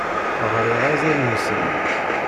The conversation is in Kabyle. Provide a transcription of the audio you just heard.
Ɣriɣ azal n usrag.